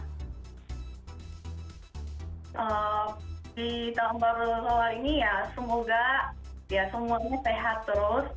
di tahun baru awal ini ya semoga ya semuanya sehat terus